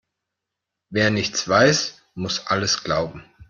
Wer nichts weiß, muss alles glauben.